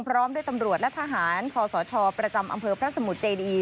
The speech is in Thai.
พร้อมด้วยตำรวจและทหารคอสชประจำอำเภอพระสมุทรเจดี